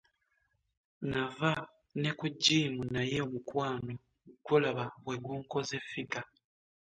Nava ne ku jjiimu naye omukwano gwo labayo bwe gunkoze ffiga.